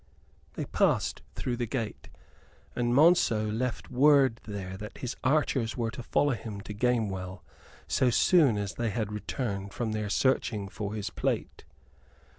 They passed through the gate, and Monceux left word there that his archers were to follow him to Gamewell so soon as they had returned from their searching for his plate.